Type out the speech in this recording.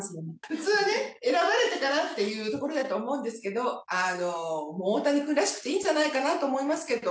普通ね、選ばれてからっていうところだと思うんですけど、もう大谷君らしくていいんじゃないかと思いますけど。